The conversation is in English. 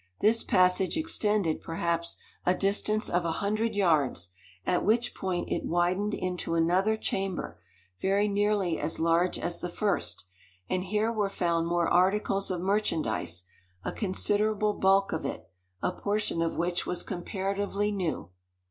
This passage extended, perhaps, a distance of a hundred yards, at which point it widened into another chamber, very nearly as large as the first; and here were found more articles of merchandise a considerable bulk of it a portion of which was comparatively new.